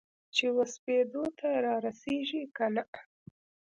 چې وسپېدو ته رارسیږې کنه؟